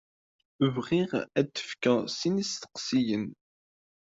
Bɣiɣ ad d-fkeɣ sin isteqsiyen.